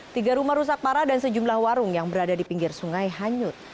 tiga rumah rusak parah dan sejumlah warung yang berada di pinggir sungai hanyut